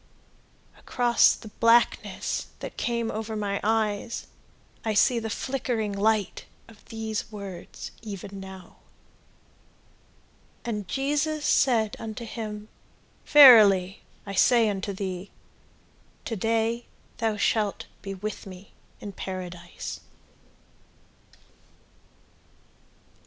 Across the blackness that came over my eyes I see the flickering light of these words even now: "And Jesus said unto him, Verily I say unto thee, To day thou shalt Be with me in paradise."